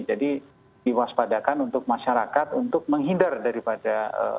jadi diwaspadakan untuk masyarakat untuk menghindar daripada